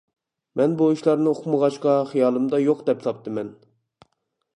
مەن بۇ ئىشلارنى ئۇقمىغاچقا خىيالىمدا يوق دەپ ساپتىمەن.